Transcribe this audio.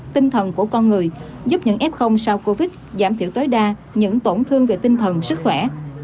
tinh thần của con người giúp những f sau covid giảm thiểu tối đa những tổn thương về tinh thần sức khỏe